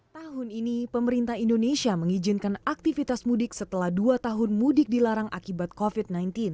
tahun ini pemerintah indonesia mengizinkan aktivitas mudik setelah dua tahun mudik dilarang akibat covid sembilan belas